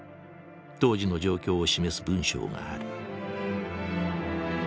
当時の状況を示す文章がある。